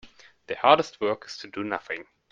The hardest work is to do nothing.